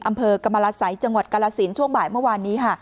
อำเภอกรรมรสัยจังหวัดกาลสินช่วงบ่ายเมื่อวานนี้ค่ะ